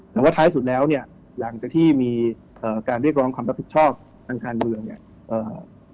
แต่ว่าท้ายสุดแล้วเนี่ยหลังจากที่มีการเรียกร้องความรับผิดชอบทางการเมืองเนี่ยเอ่อ